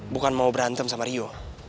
bukan mau berantem sama rio